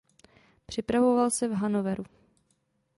Připravoval se v Hannoveru.